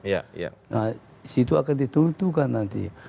di situ akan dituntukan nanti